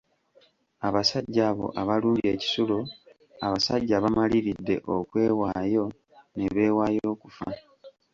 Abasajja abo abalumbye ekisulo abasajja abamaliridde, okwewaayo ne beewaayo okufa.